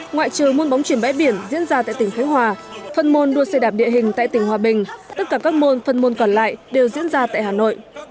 ngoại trừ môn bóng chuyển bãi biển diễn ra tại tỉnh khánh hòa phân môn đua xe đạp địa hình tại tỉnh hòa bình tất cả các môn phân môn còn lại đều diễn ra tại hà nội